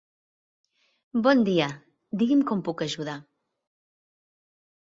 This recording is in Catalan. Bon dia, digui'm com puc ajudar.